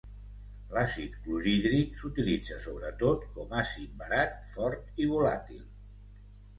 L'àcid clorhídric s'utilitza sobretot com àcid barat, fort i volàtil.